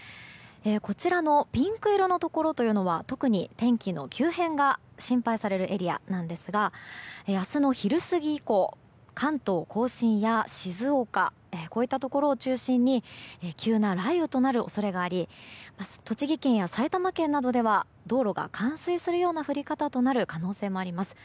こちらのピンク色のところは特に天気の急変が心配されるエリアなんですが明日の昼過ぎ以降関東・甲信や静岡こういったところを中心に急な雷雨となる恐れがあり栃木県や埼玉県などでは道路が冠水するような降り方となる可能性もあります。